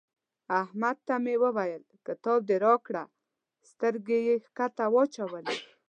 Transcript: احمد ته مې وويل چې کتاب دې راکړه؛ سترګې يې کښته واچولې.